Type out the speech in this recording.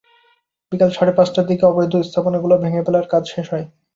বিকেল সাড়ে পাঁচটার দিকে অবৈধ স্থাপনাগুলো ভেঙে ফেলার কাজ শেষ হয়।